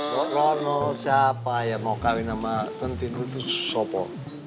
mbak rono siapa yang mau kawin sama tintin itu sopor